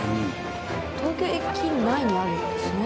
東京駅内にあるんですね。